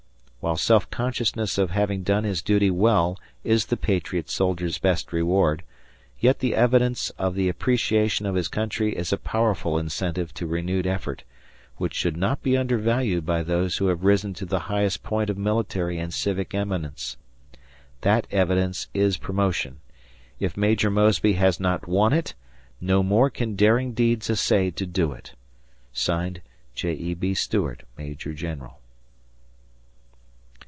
While self consciousness of having done his duty well is the patriot soldier's best reward, yet the evidence of the appreciation of his country is a powerful incentive to renewed effort, which should not be undervalued by those who have risen to the highest point of military and civic eminence. That evidence is promotion. If Major Mosby has not won it, no more can daring deeds essay to do it ... J. E. B. Stuart, Major General.